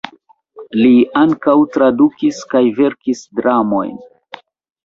Li ankaŭ tradukis kaj verkis dramojn.